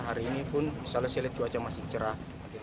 hari ini pun misalnya saya lihat cuaca masih cerah